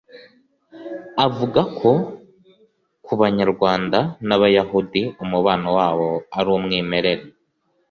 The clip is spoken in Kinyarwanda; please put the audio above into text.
avuga ko ku Banyarwanda n’Abayahudi umubano wabo ari umwimerere